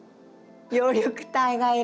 葉緑体がいる。